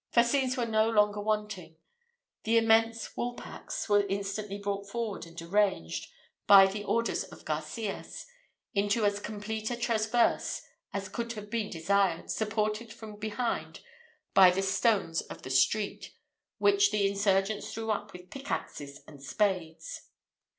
Fascines were no longer wanting; the immense woolpacks were instantly brought forward and arranged, by the orders of Garcias, into as complete a traverse as could have been desired, supported from behind by the stones of the streets, which the insurgents threw up with pickaxes and spades.